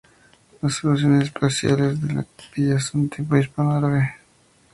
Las soluciones espaciales de la capilla son de tipo hispano-árabe.